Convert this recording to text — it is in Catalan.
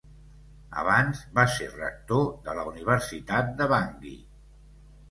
Abans va ser rector de la Universitat de Bangui.